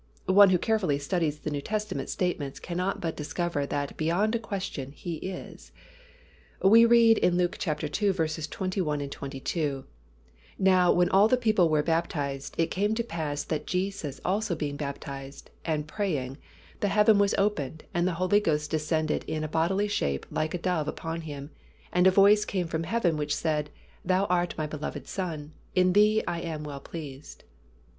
One who carefully studies the New Testament statements cannot but discover that beyond a question He is. We read in Luke iii. 21, 22, "Now when all the people were baptized, it came to pass that Jesus also being baptized, and praying, the heaven was opened, and the Holy Ghost descended in a bodily shape like a dove upon Him, and a voice came from heaven, which said, Thou art My beloved Son; in Thee I am well pleased."